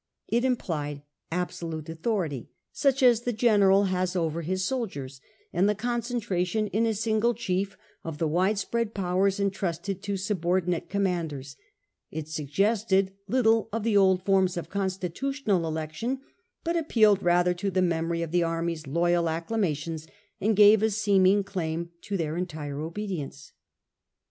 It implied absolute authority, such as the general has over his soldiers, and the concentration in a single chief of the widespread powers entrusted to subordinate com manders; it suggested little of the old forms of consti tutional election, but appealed rather to the memory of the army's loyal acclamations, and gave a seeming claim to their entire obedience.